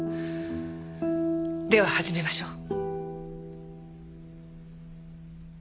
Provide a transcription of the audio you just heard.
では始めましょう。